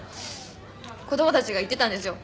子供たちが言ってたんですよ。